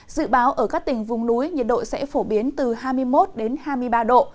dự báo ở các tỉnh vùng núi nhiệt độ sẽ phổ biến từ hai mươi một hai mươi ba độ